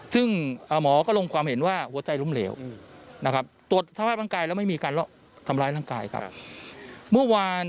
ซึ่งหมอก็ลงความเห็นว่าหัวใจล้มเหลวนะครับ